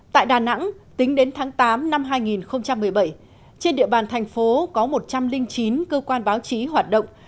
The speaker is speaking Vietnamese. tại đà nẵng tính đến tháng tám năm hai nghìn một mươi bảy trên địa bàn thành phố có một trăm linh chín cơ quan báo chí hoạt động